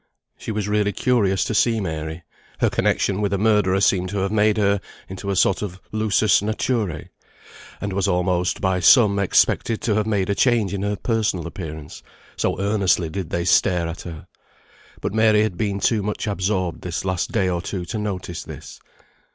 She was really curious to see Mary; her connexion with a murderer seemed to have made her into a sort of lusus naturæ, and was almost, by some, expected to have made a change in her personal appearance, so earnestly did they stare at her. But Mary had been too much absorbed this last day or two to notice this.